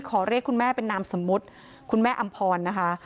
เรียกคุณแม่เป็นนามสมมุติคุณแม่อำพรนะคะ